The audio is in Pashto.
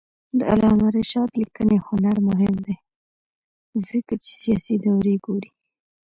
د علامه رشاد لیکنی هنر مهم دی ځکه چې سیاسي دورې ګوري.